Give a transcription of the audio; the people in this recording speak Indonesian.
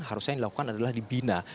harusnya yang dilakukan adalah dibina